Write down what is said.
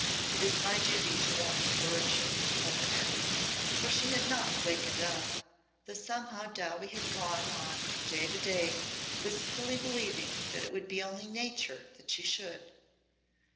It is my duty to warn your lordship," the letter ended. For she had not "wakened up" though somehow Dowie had gone on from day to day wistfully believing that it would be only "Nature" that she should.